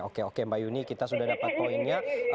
oke oke mbak yuni kita sudah dapat poinnya